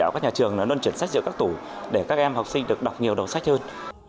các nhà trường luân chuyển sách giữa các tủ để các em học sinh được đọc nhiều đầu sách hơn